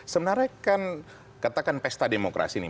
sebenarnya kan katakan pesta demokrasi nih